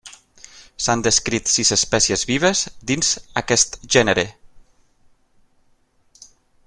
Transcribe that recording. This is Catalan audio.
S'han descrit sis espècies vives dins aquest gènere.